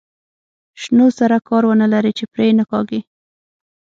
شنو سره کار نه لري چې پرې یې نه کاږي.